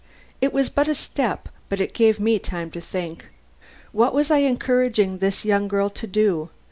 It was but a step, but it gave me time to think. What was I encouraging this young girl to do?